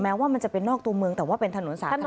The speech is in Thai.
ว่ามันจะเป็นนอกตัวเมืองแต่ว่าเป็นถนนสาธารณะ